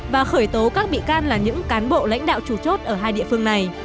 và khởi tố các bị can là những cán bộ lãnh đạo chủ chốt ở hai địa phương này